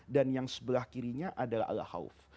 dan yang sebelah kirinya adalah al hauf